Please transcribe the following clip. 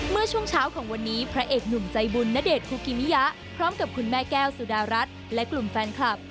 เมื่อช่วงเช้าของวันนี้พระเอกหนุ่มใจบุญณเดชนคุกิมิยะพร้อมกับคุณแม่แก้วสุดารัฐและกลุ่มแฟนคลับ